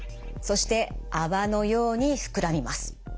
そして泡のように膨らみます。